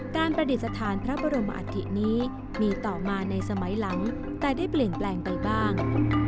ประดิษฐานพระบรมอัฐินี้มีต่อมาในสมัยหลังแต่ได้เปลี่ยนแปลงไปบ้าง